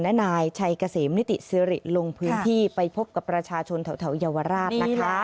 และนายชัยเกษมนิติสิริลงพื้นที่ไปพบกับประชาชนแถวเยาวราชนะคะ